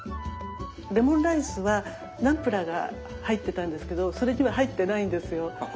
レモンライスはナムプラーが入ってたんですけどそれには入ってないんですよ。